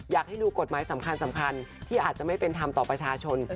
อยากให้ดูกฎหมายสำคัญที่อาจจะไม่เป็นธรรมต่อประชาชน